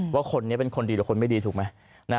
ว่าคนนี้เป็นคนดีหรือคนไม่ดีถูกไหม